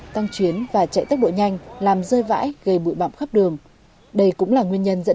tăng chuyến và chạy tốc độ nhanh làm rơi vãi gây bụi bậm khắp đường đây cũng là nguyên nhân dẫn